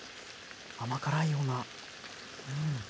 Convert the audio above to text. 甘辛いような。